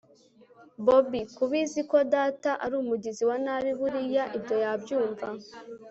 bobi! kubizi ko data arumugizi wanabi, buriya ibyo yabyumva